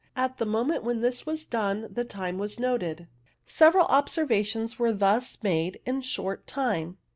At the moment when this was done the time was noted. Several observations were thus made in a short time.